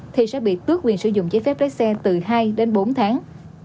thì sẽ bị tước quyền sử dụng giấy phép lái xe từ hai đến bốn tháng